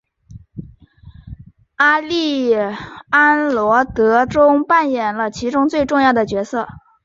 阿丽安萝德中扮演了其最重要的角色。